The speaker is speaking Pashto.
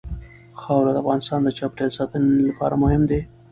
خاوره د افغانستان د چاپیریال ساتنې لپاره مهم دي.